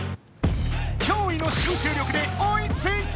きょういの集中力で追いついた！